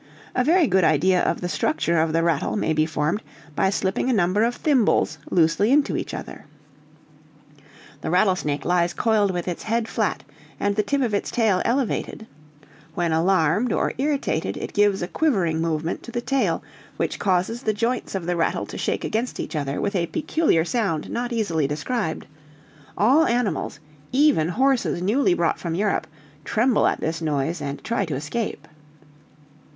A very good idea of the structure of the rattle may be formed by slipping a number of thimbles loosely into each other. "The rattlesnake lies coiled with its head flat, and the tip of its tail elevated; when alarmed or irritated it gives a quivering movement to the tail which causes the joints of the rattle to shake against each other with a peculiar sound not easily described; all animals, even horses newly brought from Europe, tremble at this noise, and try to escape."